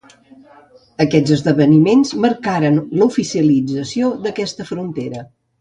Aquests esdeveniments marcaren l'oficialització d'aquesta frontera.